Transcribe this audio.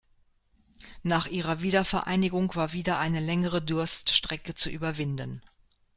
Nach ihrer Wiedervereinigung war wieder eine längere Durststrecke zu überwinden.